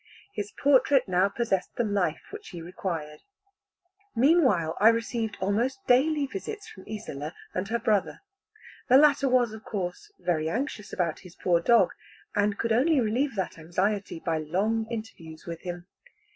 His portrait now possessed the life which he required. Meanwhile I received almost daily visits from Isola and her brother; the latter was, of course, very anxious about his poor dog, and could only relieve that anxiety by long interviews with him.